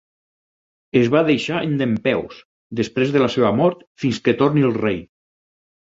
Es va deixar en dempeus després de la seva mort "fins que torni el rei".